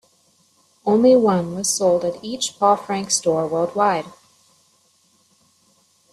Only one was sold at each Paul Frank store worldwide.